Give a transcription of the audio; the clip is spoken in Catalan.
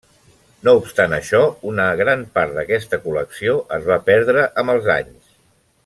No obstant això, una gran part d'aquesta col·lecció es va perdre amb els anys.